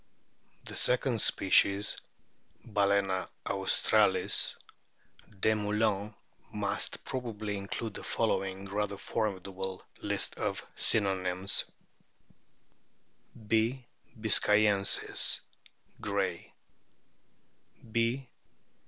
The second species, Baleena australis, Desmoulins,* must probably include the following rather formidable list of synonyms : B. biscayensis, Gray; B.